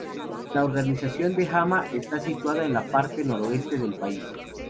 La Gobernación de Hama está situada en la parte noroeste del país.